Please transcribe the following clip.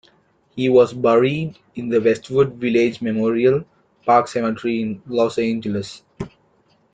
He was buried in the Westwood Village Memorial Park Cemetery in Los Angeles.